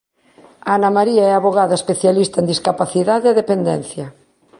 Ana María é avogada especialista en discapacidade e dependencia.